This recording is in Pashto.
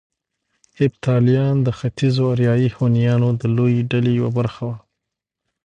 هېپتاليان د ختيځو اریایي هونيانو د لويې ډلې يوه برخه وو